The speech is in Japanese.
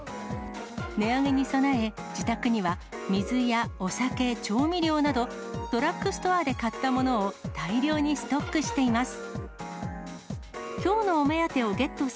値上げに備え、自宅には水やお酒、調味料など、ドラッグストアで買ったものを大量にストックしています。